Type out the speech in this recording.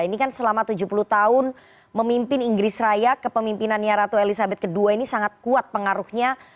ini kan selama tujuh puluh tahun memimpin inggris raya kepemimpinannya ratu elizabeth ii ini sangat kuat pengaruhnya